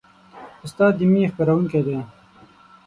استاد د مینې خپروونکی دی.